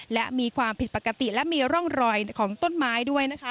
และมีความผิดปกติและมีร่องรอยของต้นไม้ด้วยนะคะ